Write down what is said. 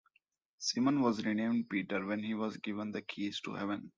Simon was renamed Peter when he was given the Keys to Heaven.